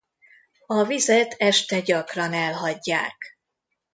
A vizet este gyakran elhagyják.